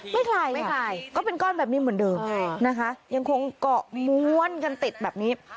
ไม่คลายไม่คลายก็เป็นก้อนแบบนี้เหมือนเดิมนะคะยังคงเกาะม้วนกันติดแบบนี้